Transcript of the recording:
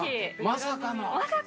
◆まさかの。